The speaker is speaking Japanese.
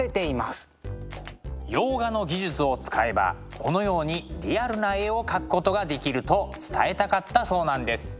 洋画の技術を使えばこのようにリアルな絵を描くことができると伝えたかったそうなんです。